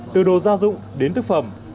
từ đồ gia dụng đến thức phẩm